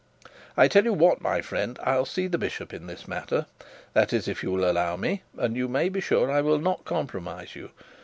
I tell you what, my friend; I'll see the bishop in this matter, that is, if you will allow me; and you may be sure I will not compromise you.